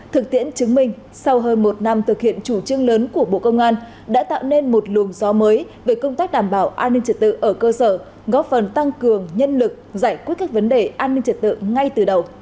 thực tiễn chứng minh sau hơn một năm thực hiện chủ trương lớn của bộ công an đã tạo nên một luồng gió mới về công tác đảm bảo an ninh trật tự ở cơ sở góp phần tăng cường nhân lực giải quyết các vấn đề an ninh trật tự ngay từ đầu